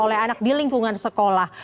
oleh anak di lingkungan sekolah